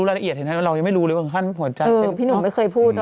เธอนี่เนาะเธอน่ะฉันเดียด่าอยู่นางจะตายนะเธอ